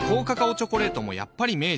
チョコレートもやっぱり明治